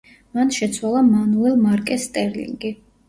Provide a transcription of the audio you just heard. მან შეცვალა მანუელ მარკეს სტერლინგი.